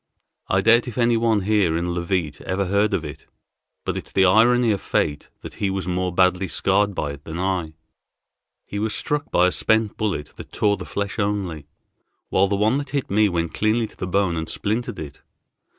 I doubt if any one here in Leauvite ever heard of it, but it's the irony of fate that he was more badly scarred by it than I. He was struck by a spent bullet that tore the flesh only, while the one that hit me went cleanly to the bone, and splintered it.